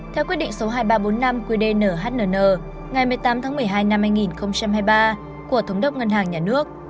theo quyết định số hai nghìn ba trăm bốn mươi năm qd nhnn ngày một mươi tám tháng một mươi hai năm hai nghìn hai mươi ba của thống đốc ngân hàng nhà nước